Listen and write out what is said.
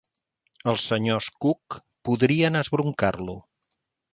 Els senyors Cook podrien esbroncar-lo.